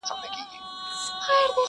موږ یې په لمبه کي د زړه زور وینو،